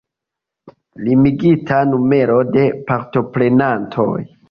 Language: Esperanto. Limigita numero de partoprenantoj.